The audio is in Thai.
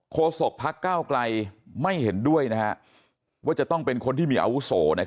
ศกพักเก้าไกลไม่เห็นด้วยว่าจะต้องเป็นคนที่มีอาวุโส